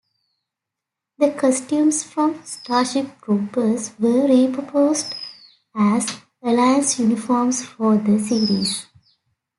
The costumes from "Starship Troopers" were repurposed as Alliance uniforms for the series.